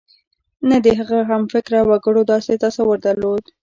نه د هغه همفکره وګړو داسې تصور درلود.